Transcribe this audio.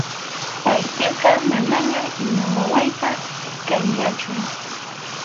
Paypiqa manañam ima wawaypas kanñachu.